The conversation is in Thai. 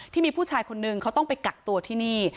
ที่มีผู้ชายคนนึงเขาต้องไปกักตัวที่นี่